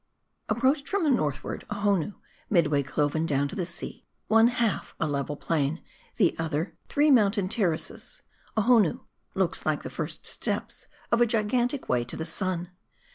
APPROACHED from the northward, Ohonoo, midway cloven down to the sea, one half a level plain ; the other, three mountain terraces Ohonoo looks like the first steps of a gigantic way to the sun.